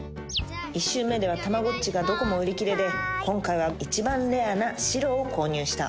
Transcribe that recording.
１周目ではたまごっちがどこも売り切れで今回は一番レアな白を購入した。